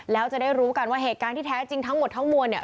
แล้วจะได้รู้กันว่าเหตุการณ์ที่แท้จริงทั้งหมดทั้งมวลเนี่ย